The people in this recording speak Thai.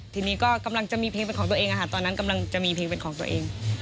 ทีนี้ก็กำลังจะมีเพลงเป็นของตัวเองตอนนั้นกำลังจะมีเพลงเป็นของตัวเอง